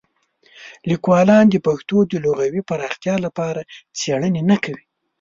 لیکوالان د پښتو د لغوي پراختیا لپاره څېړنې نه کوي.